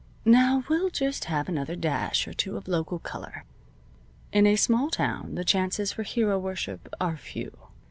Now, we'll have just another dash or two of local color. In a small town the chances for hero worship are few.